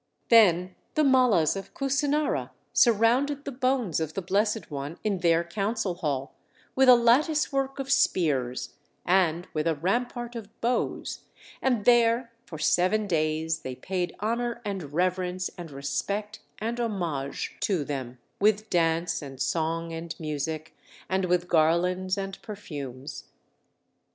Then the Mallas of Kusinara surrounded the bones of the Blessed One in their council hall with a lattice work of spears, and with a rampart of bows; and there for seven days they paid honor and reverence and respect and homage to them with dance and song and music, and with garlands and perfumes.